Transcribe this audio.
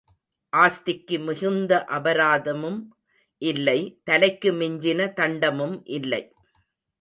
ஆஸ்திக்கு மிகுந்த அபராதமும் இல்லை தலைக்கு மிஞ்சின தண்டமும் இல்லை.